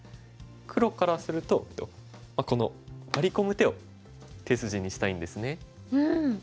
黒からするとこのワリ込む手を手筋にしたいんですね。